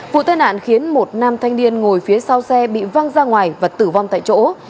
vụ tai nạn khiến một nam thanh niên ngồi phía sau xe bị văng ra ngoài và tử vong tại chỗ